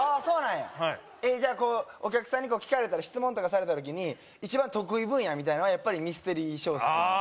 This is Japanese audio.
そうなんやはいじゃこうお客さんに聞かれたら質問とかされた時に一番得意分野みたいなのはやっぱりミステリー小説なん？